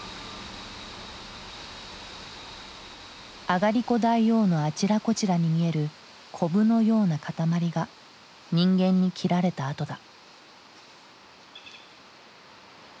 あがりこ大王のあちらこちらに見えるコブのような塊が人間に切られた跡だ。